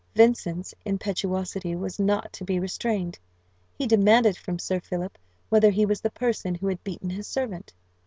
Vincent's impetuosity was not to be restrained; he demanded from Sir Philip, whether he was the person who had beaten his servant?